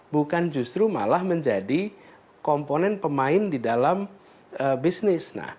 bukan justru malah menjadi komponen pemain di dalam bisnis